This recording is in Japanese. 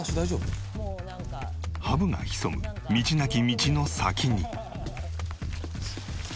ハブが潜む道なき道の先に。